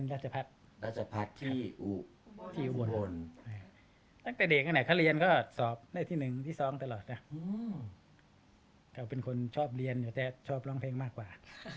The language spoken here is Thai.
ถ้าขอตั้งคือเขาจะชอบเล่นมุกว่า